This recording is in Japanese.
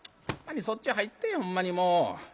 そっち入ってほんまにもう。